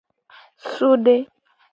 Sude.